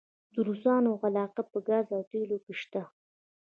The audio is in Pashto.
د روسانو علاقه په ګاز او تیلو کې شته؟